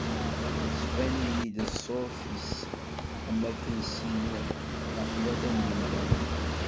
Yettban-iyi-d ṣṣut-is am wakkan d sin neɣ tlata n yemdanen.